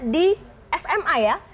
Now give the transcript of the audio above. di sma ya